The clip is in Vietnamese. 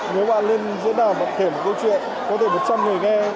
nếu bạn lên giữa đàm và kể một câu chuyện có thể một trăm người nghe